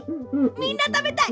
みんなたべたい？